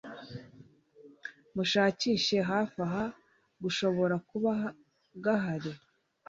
mushakishe hafi aha gashobora kuba gahari